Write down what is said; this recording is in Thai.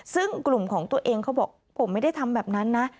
ซึ่งกลุ่มของตัวเองเขาบอกผมไม่ได้ทำแบบนั้นนะ